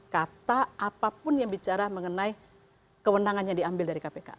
kata apapun yang bicara mengenai kewenangan yang diambil dari kpk